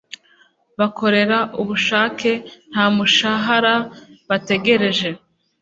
bakorera ubushake nta mushahara bategereje